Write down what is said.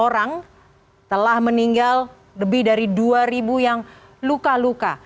yang telah meninggal lebih dari dua yang luka luka